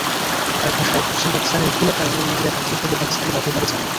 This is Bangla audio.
তাঁর ভাষায় পশ্চিম পাকিস্তানের ভুলের কারণে ইন্দিরা গান্ধী পূর্ব পাকিস্তানে দখলদারি চালান।